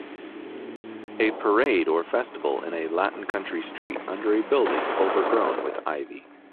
A parade or festival in a latin country street under a building overgrown with ivy